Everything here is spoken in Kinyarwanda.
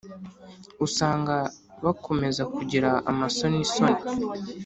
usanga bakomeza kugira amasonisoni,